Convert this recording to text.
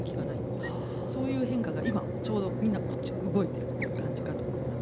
そういう変化が今ちょうどみんなこっち動いてるっていう感じかと思います。